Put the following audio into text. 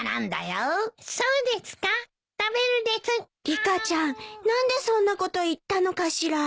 リカちゃん何でそんなこと言ったのかしら？